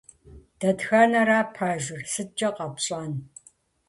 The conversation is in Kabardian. Дэтхэнэра пэжыр? СыткӀэ къэпщӀэн?